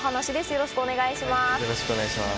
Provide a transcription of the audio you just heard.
よろしくお願いします。